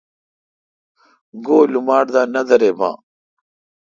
گو لماٹ دا نہ دریباں۔